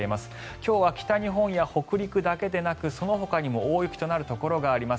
今日は北日本や北陸だけでなくそのほかにも大雪となるところがあります。